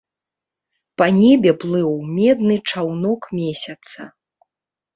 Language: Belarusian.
Па небе плыў медны чаўнок месяца.